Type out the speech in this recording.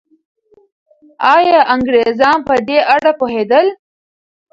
ایا انګریزان په دې اړه پوهېدل؟